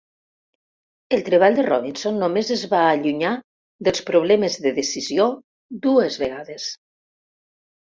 El treball de Robinson només es va allunyar dels problemes de decisió dues vegades.